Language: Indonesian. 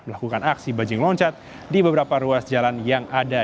melakukan aksi bajing loncat di beberapa ruas jalan yang ada